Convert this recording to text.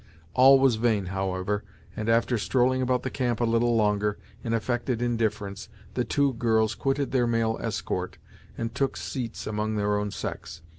All was vain, however, and after strolling about the camp a little longer, in affected indifference, the two girls quitted their male escort, and took seats among their own sex.